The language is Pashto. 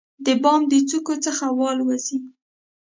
د بام د څوکو څخه والوزي،